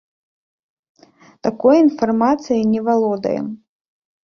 Такой інфармацыяй не валодаем.